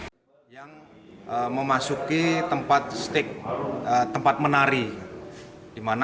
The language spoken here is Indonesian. pertunjukan di lokasi tempat menari itu